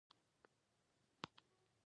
د سترګو تور مي ولاړل تر ګرېوانه که راځې